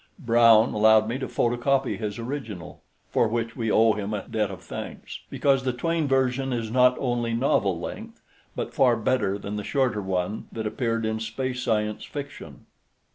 Brown allowed me to photocopy his original, for which we owe him a debt of thanks; because the Twayne version is not only novel length, but far better than the shorter one that appeared in Space Science Fiction.